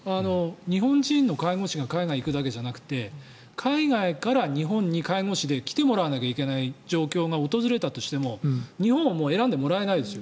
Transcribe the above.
日本人の介護士が海外に行くだけじゃなくて海外から日本に介護士で来てもらわなきゃいけない状況が訪れたとしても、日本はもう選んでもらえないですよ。